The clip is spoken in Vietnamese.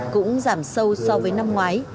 cũng giảm sâu so với năm ngoái